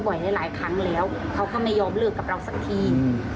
เหลียวบ่อยหลายครั้งแล้วเขาก็ไม่ยอมเลิกสักที